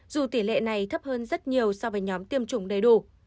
dù tỷ lệ này thấp hơn rất nhiều so với nhóm tiêm chủng đầy đủ